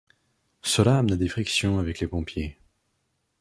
Cela amena des frictions avec les pompiers.